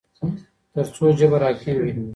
تر څو جبر حاکم وي